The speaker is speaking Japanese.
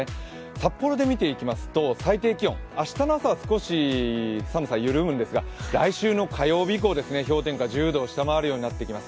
札幌で見ていきますと最低気温、明日の朝は少し寒さが緩むんですが、来週の火曜日以降、氷点下１０度を下回るようになってきます。